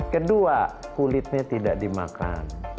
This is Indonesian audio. kedua kulitnya tidak dimakan